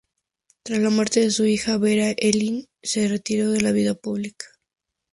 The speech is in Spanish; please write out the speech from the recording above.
Tras la muerte de su hija, Vera-Ellen se retiró de la vida pública.